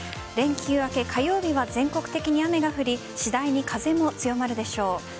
連休明け火曜日は全国的に雨が降り次第に風も強まるでしょう。